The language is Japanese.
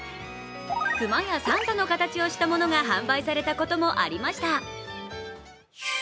クマやサンタの形をしたものが販売されたこともありました。